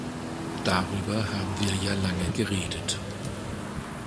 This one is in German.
Darüber haben wir ja lange geredet.